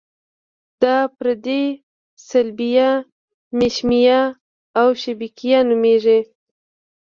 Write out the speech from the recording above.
دا پردې صلبیه، مشیمیه او شبکیه نومیږي.